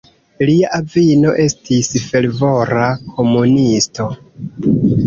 Lia avino estis fervora komunisto.